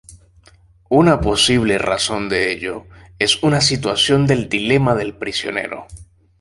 Una posible razón de ello, es una situación del Dilema del prisionero.